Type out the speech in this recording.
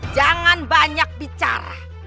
jangan banyak bicara